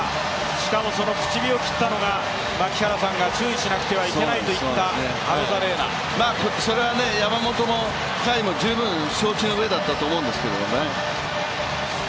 しかもその口火を切ったのが槙原さんが注意しなくてはいけないと言ったそれは山本も甲斐も十分承知のうえだったと思いますけどね。